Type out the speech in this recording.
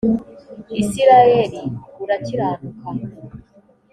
isirayeli urakiranuka